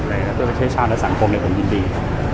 และเพื่อไปช่วยชาวและสังคมเนี่ยผมยินดี